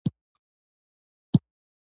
کله کله به يو نيم آس وشڼېد.